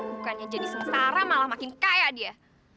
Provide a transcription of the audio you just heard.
bukannya jadi sengsara malah makin kaya dia